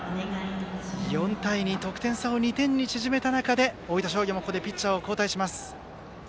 ４対２、得点差を２点に縮めた中大分商業もここでピッチャーを交代します。